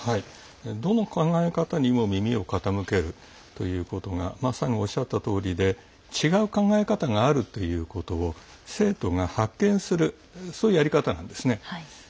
どんな意見にも耳を傾けるというのがまさにおっしゃったとおりで違う考え方があるというのを生徒が発見するというやり方なんですね。